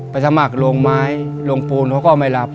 สมัครโรงไม้ลงปูนเขาก็ไม่รับ